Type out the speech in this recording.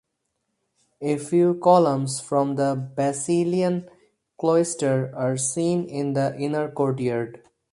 A few columns from the Basilian cloister are seen in the inner courtyard.